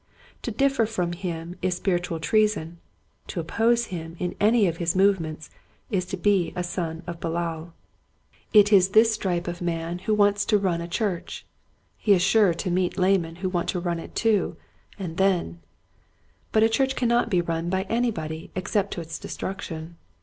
To differ from him is spiritual treason, to oppose him in any of his movements is to be a son of Belial. Autocracy. 121 It is this stripe of man who wants to run a church. He is sure to meet a layman who wants to run it too. And then —! But a church cannot be run by anybody except to its destruction.